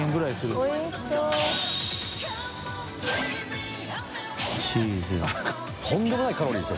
とんでもないカロリーですよ